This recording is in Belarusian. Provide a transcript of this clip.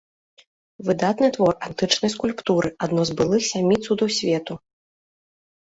Выдатны твор антычнай скульптуры, адно з былых сямі цудаў свету.